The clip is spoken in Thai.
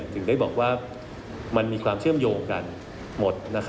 ถึงได้บอกว่ามันมีความเชื่อมโยงกันหมด